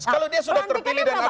kalau dia sudah terpilih